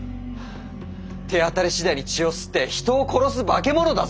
手当たりしだいに血を吸って人を殺すバケモノだぞ！